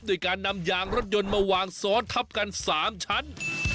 โดยการนำยางรถยนต์มาวางซ้อนทับกัน๓ชั้น